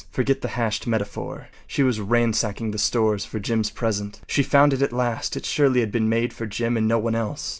Forget the hashed metaphor. She was ransacking the stores for Jim’s present. She found it at last. It surely had been made for Jim and no one else.